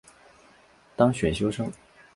当选修生